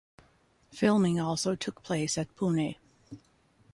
Filming also took place at Pune.